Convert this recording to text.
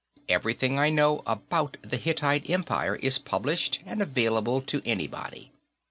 Everything I know about the Hittite Empire is published and available to anybody.